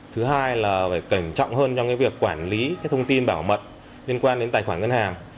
thứ hai là phải cẩn trọng hơn trong cái việc quản lý thông tin bảo mật liên quan đến tài khoản ngân hàng